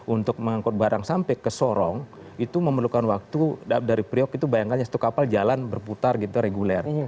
untuk mengangkut barang sampai ke sorong itu memerlukan waktu dari priok itu bayangkannya satu kapal jalan berputar gitu reguler